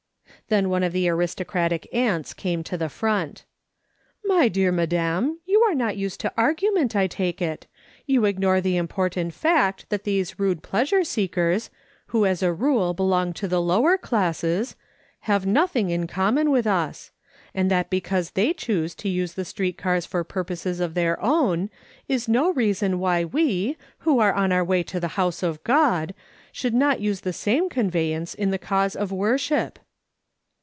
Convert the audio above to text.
Then one of the aristocratic aunts came to the front :" My dear madam, you are not used to argument, I take it ; you ignore the important fact that these rude pleasure seekers, M'ho as a rule belong to the lower classes, have nothing in common with us ; and that because they choose to use the street cars for purposes of their own, is no reason why we, who are on our way to the house of God, sliould not use the same conveyance in the cause of worship."